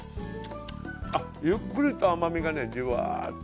あっゆっくりと甘みがねジワーッと。